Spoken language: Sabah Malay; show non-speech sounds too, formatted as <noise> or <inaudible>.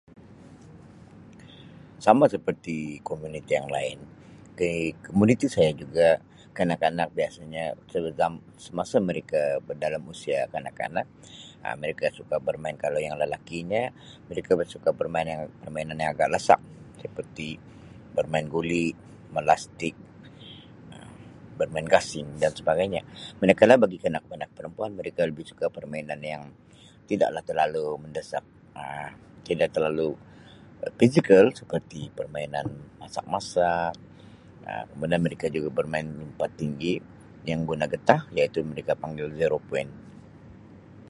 "Sama seperti komuniti yang lain <unintelligible> komuniti saya juga kanak-kanak biasanya <unintelligible> semasa mereka dalam usia kanak-kanak Um mereka suka bermain kalau yang lelaki nya mereka lebih suka bermain yang permainan yang agak lasak seperti bermain guli, melastik Um bermain gasing dan sebagainya manakala bagi kanak-kanak perempuan mereka lebih suka permainan yang tidak lah terlalu mendesak Um tidak terlalu fizikal seperti permainan masak-masak Um kemudian mereka juga bermain lompat tinggi yang guna getah iaitu mereka panggil ""zero point""."